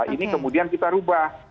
ini kemudian kita rubah